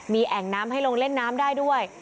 มีแอ่งน้ำให้ลงเล่นน้ำได้ด้วย